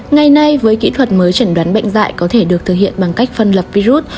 ngày nay với kỹ thuật mới chẩn đoán bệnh dạy có thể được thực hiện bằng cách phân lập virus